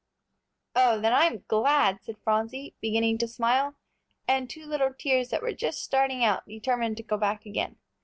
"Oh, then I'm glad," said Phronsie, beginning to smile. And two little tears that were just starting out determined to go back again.